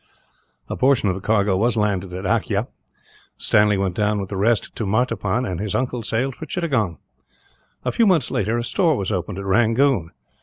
A portion of the cargo was landed at Akyah. Stanley went down with the rest to Martaban, and his uncle sailed for Chittagong. A few months later, a store was opened at Rangoon.